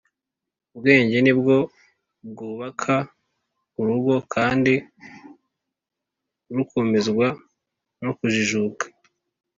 ubwenge ni bwo bwubaka urugo, kandi rukomezwa no kujijuka